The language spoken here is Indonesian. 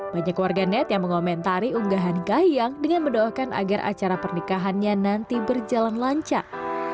banyak warganet yang mengomentari unggahan kahiyang dengan mendoakan agar acara pernikahannya nanti berjalan lancar